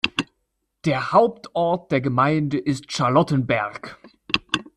Der Hauptort der Gemeinde ist Charlottenberg.